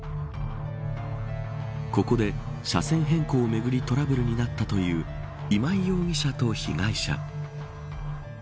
ここで車線変更をめぐりトラブルになったという今井容疑者と被害者。